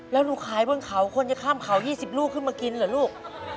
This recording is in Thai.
แล้วหนูขายบนเขาคนจะข้ามเขา๒๐ลูกขึ้นมากินเหรอลูก